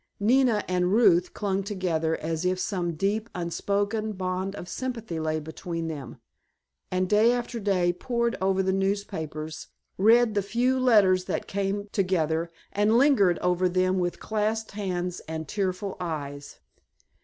Nina and Ruth clung together as if some deep, unspoken bond of sympathy lay between them, and day after day pored over the newspapers, read the few letters that came together, and lingered over them with clasped hands and tearful eyes.